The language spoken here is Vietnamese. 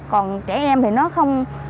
còn trẻ em thì nó không thể nào